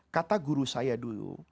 kata guru saya dulu